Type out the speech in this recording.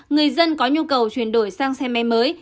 người dân có nhu cầu chuyển đổi sang xe máy mới